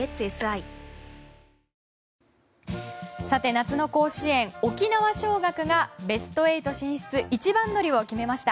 夏の甲子園沖縄尚学がベスト８進出一番乗りを決めました。